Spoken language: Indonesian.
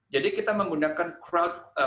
jadi kita menggunakan crowd